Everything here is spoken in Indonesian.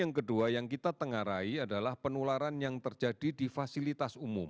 yang kedua yang kita tengah rai adalah penularan yang terjadi di fasilitas umum